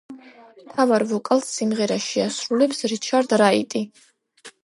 მთავარ ვოკალს სიმღერაში ასრულებს რიჩარდ რაიტი.